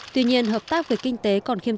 tuy nhiên hợp tác về kinh tế còn không được tạo ra